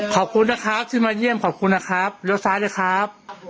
ขอบคุณนะครับที่มาเยี่ยมขอบคุณนะครับเลี้ยวซ้ายเลยครับ